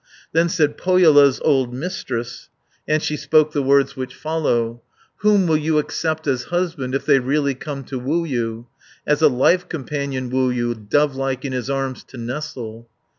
Then said Pohjola's old Mistress, And she spoke the words which follow: 610 "Whom will you accept as husband, If they really come to woo you, As a life companion woo you, Dove like in his arms to nestle?